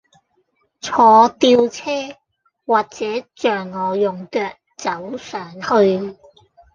坐吊車，或者像我用腳走上去